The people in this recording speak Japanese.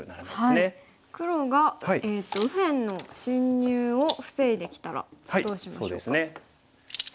黒が右辺の侵入を防いできたらどうしましょうか？